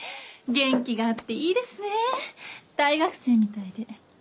元気があっていいですね大学生みたいで。